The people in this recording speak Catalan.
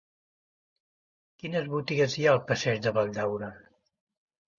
Quines botigues hi ha al passeig de Valldaura?